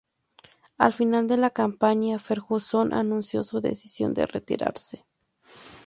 Al final de la campaña, Ferguson anunció su decisión de retirarse.